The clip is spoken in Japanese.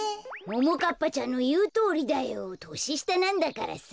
ももかっぱちゃんのいうとおりだよ。とししたなんだからさ。